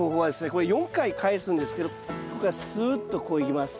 これ４回返すんですけどここからすっとこういきます。